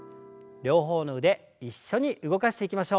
両方の腕一緒に動かしていきましょう。